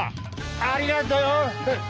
ありがとよ！